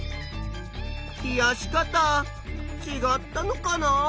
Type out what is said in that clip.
冷やし方ちがったのかなあ？